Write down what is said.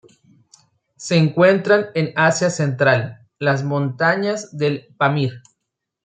Se encuentran en Asia Central: las montañas del Pamir.